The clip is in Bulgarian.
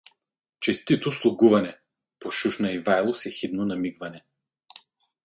— Честито слугуване — пошушна Ивайло с ехидно намигване.